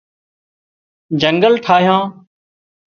جنگل ٺاهيان